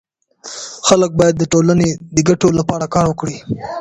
خلګ باید د ټولني د ګټو لپاره کار وکړي.